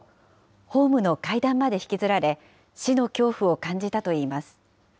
ホームの階段まで引きずられ、死の恐怖を感じたといいます。